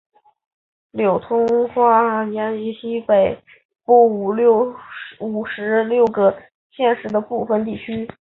桂柳话通行于广西壮族自治区西北部五十六个县市的部分地区。